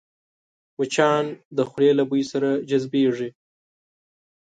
مچان د خولې له بوی سره جذبېږي